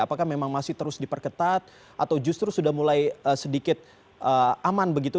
apakah memang masih terus diperketat atau justru sudah mulai sedikit aman begitu